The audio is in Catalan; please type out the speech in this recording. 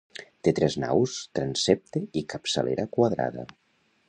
Té tres naus, transsepte i capçalera quadrada.